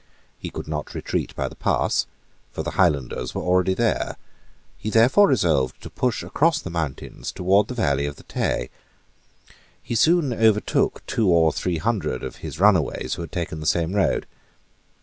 He could not retreat by the pass: for the Highlanders were already there. He therefore resolved to push across the mountains towards the valley of the Tay. He soon overtook two or three hundred of his runaways who had taken the same road.